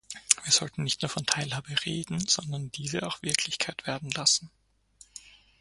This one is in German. Wir sollten nicht nur von Teilhabe reden, sondern diese auch Wirklichkeit werden lassen.